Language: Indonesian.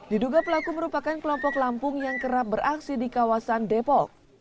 diduga pelaku merupakan kelompok lampung yang kerap beraksi di kawasan depok